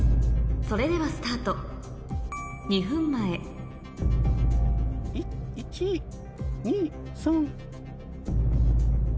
それではスタート２分前１２３。